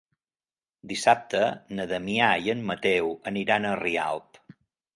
Dissabte na Damià i en Mateu aniran a Rialp.